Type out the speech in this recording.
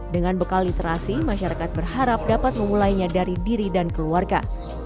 dengan bekal literasi masyarakat berharap dapat memulainya dari diri dan keluarga